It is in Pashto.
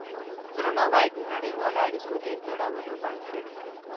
درناوی د نړیوالو اړیکو د جوړولو بنسټ دی.